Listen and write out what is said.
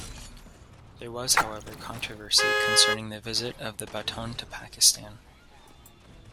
There was however controversy concerning the visit of the Baton to Pakistan.